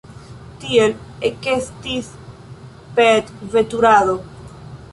Tiel ekestis petveturado!